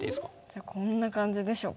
じゃあこんな感じでしょうか。